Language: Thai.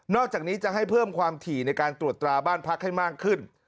อกจากนี้จะให้เพิ่มความถี่ในการตรวจตราบ้านพักให้มากขึ้น